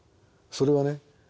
それはね